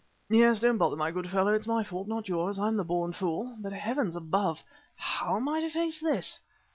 '" "Yes. Don't bother, my good fellow, it's my fault, not yours. I'm the born fool. But heavens above! how am I to face this?"